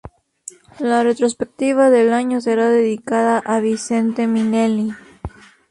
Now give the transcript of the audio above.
La retrospectiva del año será dedicada a Vincente Minnelli.